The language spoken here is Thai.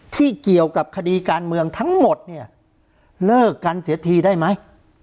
ที่เกี่ยวกับคดีการเมืองทั้งหมดเนี่ยเลิกกันเสียทีได้ไหม